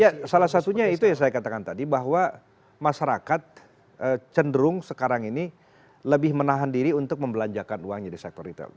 ya salah satunya itu yang saya katakan tadi bahwa masyarakat cenderung sekarang ini lebih menahan diri untuk membelanjakan uangnya di sektor retail